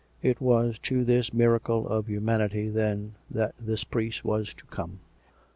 ... It was to this miracle of humanity, then, that this priest was to come. .